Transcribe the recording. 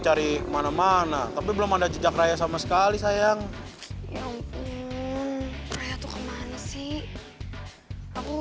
cari kemana mana tapi belum ada jejak raya sama sekali sayang ya ampun saya tuh kemana sih aku